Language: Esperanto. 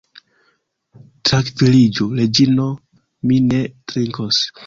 Trankviliĝu, Reĝino; mi ne trinkos.